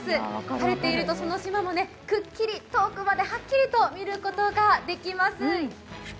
晴れているとその島もくっきり遠くまで見ることができます。